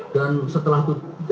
dan setelah tujuh